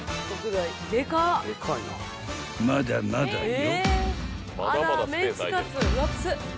［まだまだよ］